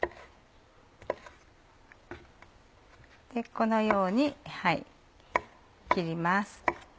このように切ります。